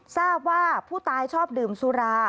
ทราบว่าผู้ตายชอบดื่มสุรา